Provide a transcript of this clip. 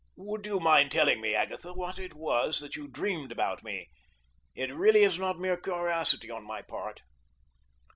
"Would you mind telling me, Agatha, what it was that you dreamed about me? It really is not mere curiosity on my part."